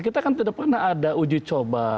kita kan tidak pernah ada uji coba